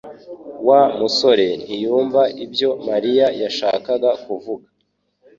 Wa musore ntiyumva ibyo Mariya yashakaga kuvuga